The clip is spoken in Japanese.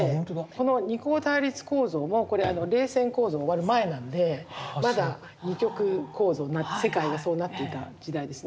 この二項対立構造もこれ冷戦構造終わる前なんでまだ二極構造世界がそうなっていた時代ですね。